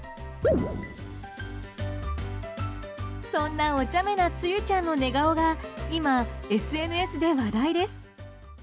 そんな、おちゃめな露ちゃんの寝顔が今、ＳＮＳで話題です。